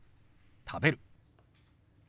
「食べる」。